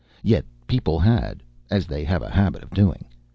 Yet, people had, as they have a habit of doing.